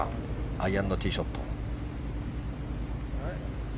アイアンのティーショット。